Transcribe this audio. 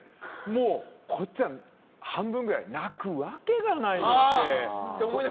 もう、こっちは半分くらい泣くわけがないって。